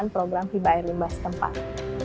program hiba air limbah setempat